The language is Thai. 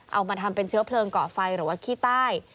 เอามาทำเป็นเชื้อเพลิงเกาะไฟหรือว่าขี้ใต้